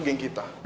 ke geng kita